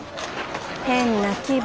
変な気分。